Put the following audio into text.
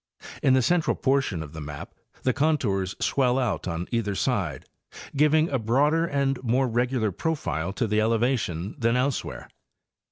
In the central portion of the map the con tours swell out on either side, giving a broader and more regular profile to the elevation than elsewhere.